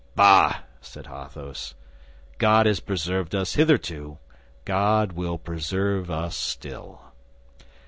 "Bah!" said Athos. "God has preserved us hitherto, God will preserve us still."